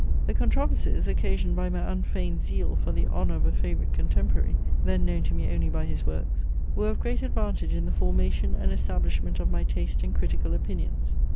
The controversies, occasioned by my unfeigned zeal for the honour of a favourite contemporary, then known to me only by his works, were of great advantage in the formation and establishment of my taste and critical opinions.